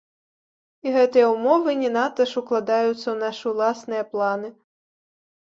І гэтыя ўмовы не надта ж укладаюцца ў нашы ўласныя планы.